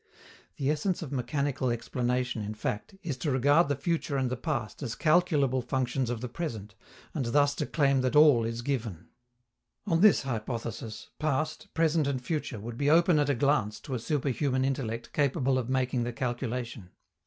The essence of mechanical explanation, in fact, is to regard the future and the past as calculable functions of the present, and thus to claim that all is given. On this hypothesis, past, present and future would be open at a glance to a superhuman intellect capable of making the calculation.